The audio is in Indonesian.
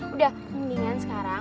udah mendingan sekarang